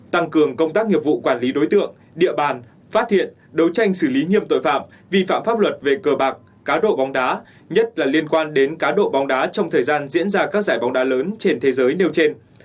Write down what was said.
tăng cường công tác nghiệp vụ quản lý đối tượng địa bàn phát hiện đấu tranh xử lý nghiêm tội phạm vi phạm pháp luật về cờ bạc cá độ bóng đá nhất là liên quan đến cá độ bóng đá trong thời gian diễn ra các giải bóng đá lớn trên thế giới nêu trên